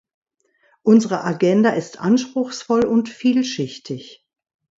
Unsere Agenda ist anspruchsvoll und vielschichtig.